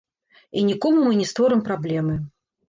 І нікому мы не створым праблемы.